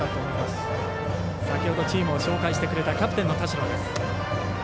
先ほどチームを紹介してくれたキャプテンの田代。